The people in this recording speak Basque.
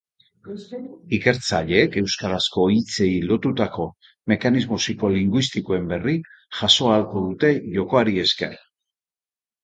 Ikertzaileek euskarazko hitzei lotutako mekanismo psikolinguistikoen berri jaso ahalko dute jokoari esker.